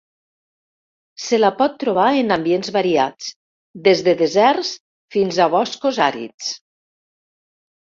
Se la pot trobar en ambients variats, des de deserts fins a boscos àrids.